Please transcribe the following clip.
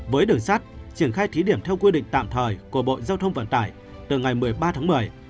với đường sắt triển khai thí điểm theo quy định tạm thời của bộ giao thông vận tải từ ngày một mươi ba tháng một mươi